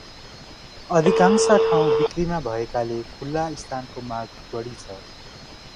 अधिकांश ठाउँ बिक्रीमा भएकाले खुला स्थानको माग बढी छ ।